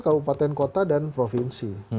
kabupaten kota dan provinsi